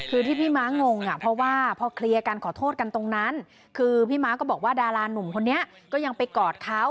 คือที่พี่ม้างงอ่ะเพราะว่าพอเคลียร์กันขอโทษกันตรงนั้นคือพี่ม้าก็บอกว่าดารานุ่มคนนี้ก็ยังไปกอดเขา